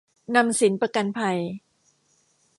นำสินประกันภัย